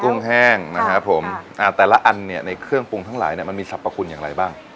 ุ้งแห้งนะครับผมอ่าแต่ละอันเนี่ยในเครื่องปรุงทั้งหลายเนี่ยมันมีสรรพคุณอย่างไรบ้าง